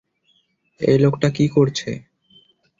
এই লোকটা কী করছে?